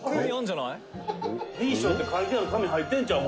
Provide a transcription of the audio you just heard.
「Ｂ賞って書いてある紙入ってんちゃう？